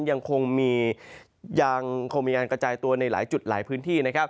ยังคงมีการกระจายตัวในหลายจุดหลายพื้นที่นะครับ